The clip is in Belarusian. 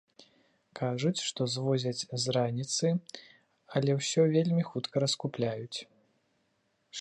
Кажуць, што звозяць з раніцы, але ўсё вельмі хутка раскупляюць.